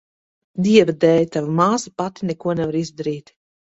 Dieva dēļ, tava māsa pati neko nevar izdarīt.